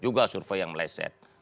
juga survei yang meleset